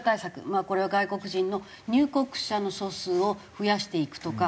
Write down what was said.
まあこれは外国人の入国者の総数を増やしていくとか。